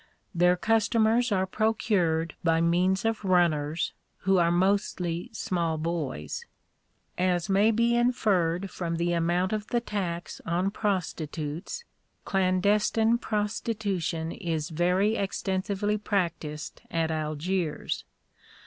Their customers are procured by means of runners, who are mostly small boys. As may be inferred from the amount of the tax on prostitutes, clandestine prostitution is very extensively practiced at Algiers.